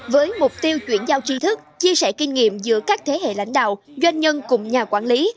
với mục tiêu chuyển giao tri thức chia sẻ kinh nghiệm giữa các thế hệ lãnh đạo doanh nhân cùng nhà quản lý